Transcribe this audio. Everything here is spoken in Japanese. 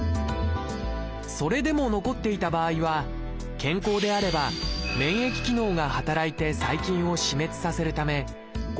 それでも残っていた場合は健康であれば免疫機能が働いて細菌を死滅させるため誤